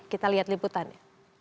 kita lihat liputannya